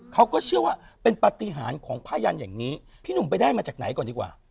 เขาก็เชื่อว่าเป็นปฏิหารของผ้ายันอย่างนี้พี่หนุ่มไปได้มาจากไหนก่อนดีกว่า